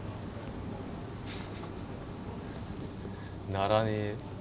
鳴らねえ。